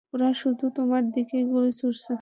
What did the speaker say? ওরা শুধু তোমার দিকেই গুলি ছুঁড়ছে।